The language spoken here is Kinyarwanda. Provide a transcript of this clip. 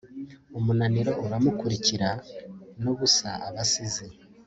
umunaniro uramukurikira nubusa abasizi